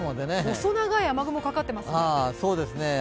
細長い雨雲かかってますね。